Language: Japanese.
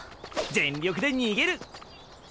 全力で逃げる！